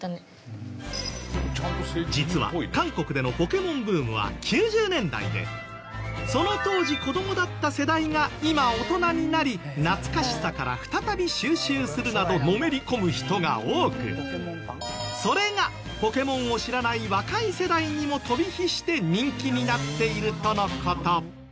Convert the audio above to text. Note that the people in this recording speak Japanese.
実は韓国での『ポケモン』ブームは９０年代でその当時子どもだった世代が今大人になり懐かしさから再び収集するなどのめり込む人が多くそれが『ポケモン』を知らない若い世代にも飛び火して人気になっているとの事。